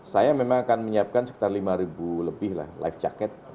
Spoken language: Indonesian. saya memang akan menyiapkan sekitar lima lebih lah life jacket